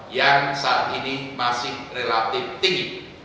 yang saat ini masih relatif tinggi